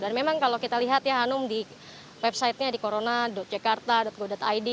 dan memang kalau kita lihat ya hanum di website nya di corona jekarta go id